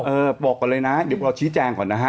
บอกก่อนเลยนะเดี๋ยวเราชี้แจงก่อนนะฮะ